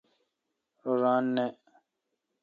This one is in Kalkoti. رو ران نان۔